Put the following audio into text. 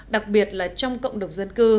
đặc biệt là trong cộng đồng dân cư